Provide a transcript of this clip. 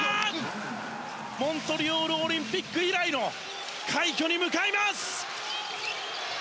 モントリオールオリンピック以来の快挙に向かいます！